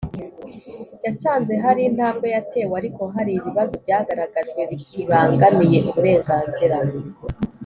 Yasanze hari intambwe yatewe ariko hari ibibazo byagaragajwe bikibangamiye uburenganzira